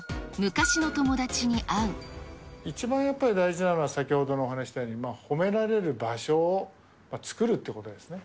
一番やっぱり大事なのは、先ほどお話ししたように、褒められる場所を作るということですね。